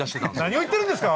何を言ってるんですか